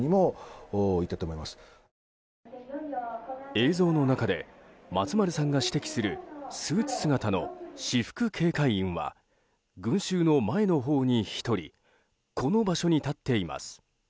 映像の中で松丸さんが指摘するスーツ姿の私服警戒員は群衆の前のほうに１人この場所に立っています。